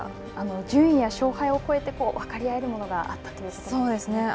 順位や勝敗を越えて分かり合えるものがあったということですね。